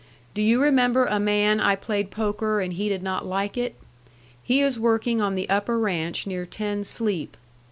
Do you remember a man I played poker and he did not like it? He is working on the upper ranch near Ten Sleep.